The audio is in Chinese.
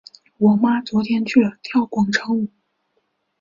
我妈昨天去了跳广场舞。